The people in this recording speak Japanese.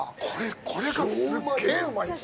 これがすっげえうまいんです。